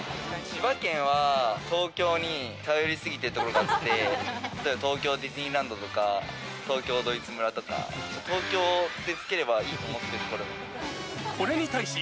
千葉県は、東京に頼り過ぎてるところがあって、例えば東京ディズニーランドとか、東京ドイツ村とか、東京って付ければいいってところが。